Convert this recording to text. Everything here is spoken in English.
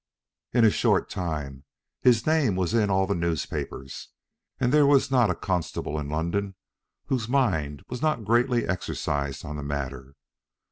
In a short time his name was in all the newspapers, and there was not a constable in London whose mind was not greatly exercised on the matter.